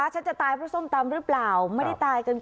ฉันจะตายเพราะส้มตำหรือเปล่าไม่ได้ตายกัน